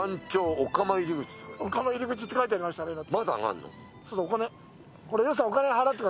「お釜入口」って書いてありましたね、さっき。